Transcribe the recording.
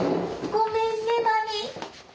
ごめんねマミ。